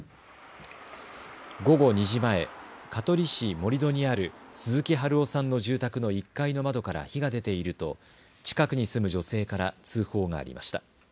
午後２時前、香取市森戸にある鈴木春雄さんの住宅の１階の窓から火が出ていると近くに住む女性から通報がありました。